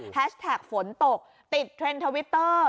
แท็กฝนตกติดเทรนด์ทวิตเตอร์